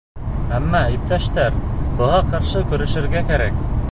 Әммә, иптәштәр, быға ҡаршы көрәшергә кәрәк.